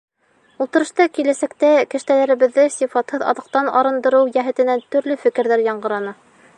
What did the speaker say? Ултырышта киләсәктә кәштәләребеҙҙе сифатһыҙ аҙыҡтан арындырыу йәһәтенән төрлө фекерҙәр яңғыраны.